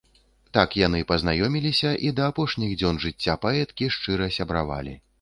Так яны пазнаёміліся і да апошніх дзён жыцця паэткі шчыра сябравалі.